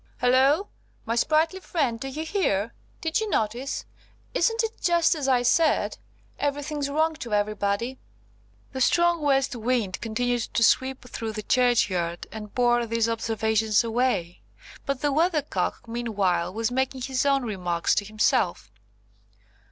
Halloo! my sprightly friend, do you hear? Did you notice? Isn't it just as I said? Everything's wrong to everybody." The strong west wind continued to sweep through the churchyard, and bore these observations away; but the Weathercock meanwhile was making his own remarks to himself.